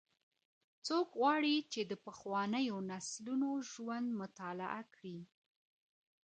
څوک غواړي چي د پخوانيو نسلونو ژوند مطالعه کړي؟